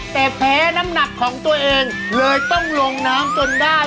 แต่แพ้น้ำหนักของตัวเองเลยต้องลงน้ำจนได้